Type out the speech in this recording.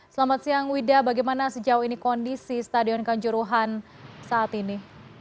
selamat siang wida bagaimana sejauh ini kondisi stadion kanjuruhan saat ini